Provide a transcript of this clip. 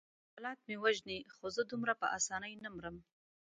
حالات مې وژني خو زه دومره په آسانۍ نه مرم.